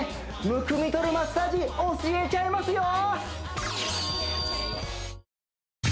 むくみとるマッサージ教えちゃいますよ